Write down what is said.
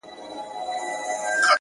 هوښیار فکر شخړې راکموي،